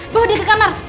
bawa dia ke kamar